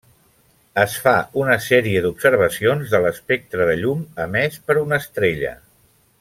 Es fa una sèrie d'observacions de l'espectre de llum emès per una estrella.